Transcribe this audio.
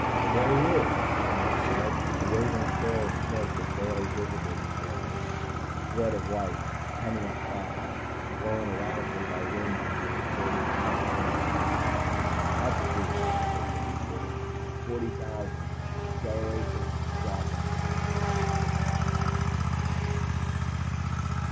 "There he is," someone said. A wavering trail of smoke was barely visible below, a thread of white, coming up fast, blown erratically by winds into a distorted tiny snake. "Altitude ..." said Mitch's voice, "40,000.... Acceleration ... dropping."